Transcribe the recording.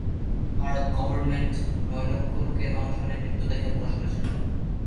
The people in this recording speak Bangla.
ভারত গভর্নমেন্ট নয় লক্ষ লোকের অনশনে মৃত্যুর তালিকা প্রকাশ করেছেন।